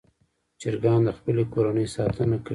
چرګان د خپلې کورنۍ ساتنه کوي.